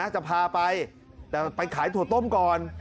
จะพาไปแต่ไปขายถั่วต้มก่อน